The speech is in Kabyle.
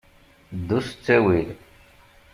Ddu s ttawil.